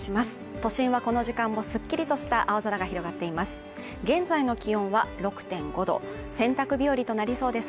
都心はこの時間もすっきりとした青空が広がっています